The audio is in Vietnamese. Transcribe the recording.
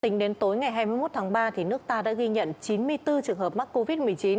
tính đến tối ngày hai mươi một tháng ba nước ta đã ghi nhận chín mươi bốn trường hợp mắc covid một mươi chín